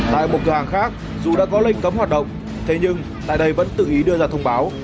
tại một cửa hàng khác dù đã có lệnh cấm hoạt động thế nhưng tại đây vẫn tự ý đưa ra thông báo